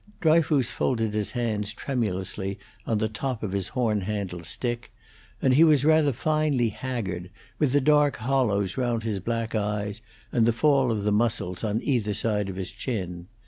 Dryfoos folded his hands tremulously on the top of his horn handled stick, and he was rather finely haggard, with the dark hollows round his black eyes and the fall of the muscles on either side of his chin.